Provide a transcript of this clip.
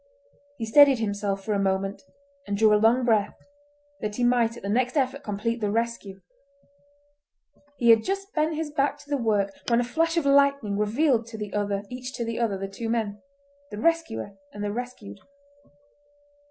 He steadied himself for a moment, and drew a long breath, that he might at the next effort complete the rescue. He had just bent his back to the work when a flash of lightning revealed to each other the two men—the rescuer and the rescued.